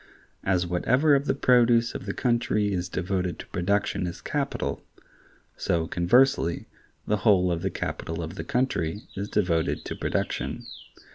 As whatever of the produce of the country is devoted to production is capital, so, conversely, the whole of the capital of the country is devoted to production.